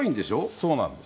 そうなんです。